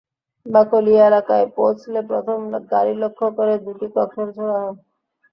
বাকলিয়া এলাকায় পৌঁছলে প্রথম গাড়ি লক্ষ্য করে দুটি ককটেল ছোঁড়া হয়।